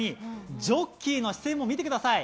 ジョッキーの視線も見てください。